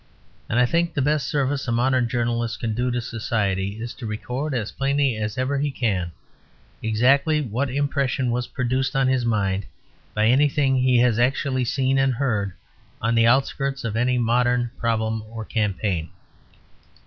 And I think the best service a modern journalist can do to society is to record as plainly as ever he can exactly what impression was produced on his mind by anything he has actually seen and heard on the outskirts of any modern problem or campaign.